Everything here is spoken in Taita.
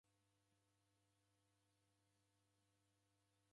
W'eenda kwa koti ra sharia.